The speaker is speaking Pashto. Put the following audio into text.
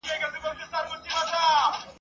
چي د شپې یې رنګارنګ خواړه خوړله `